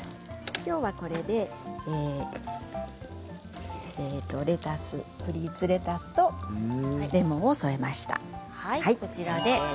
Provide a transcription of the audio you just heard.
きょうはプリーツレタスとレモンを添えました。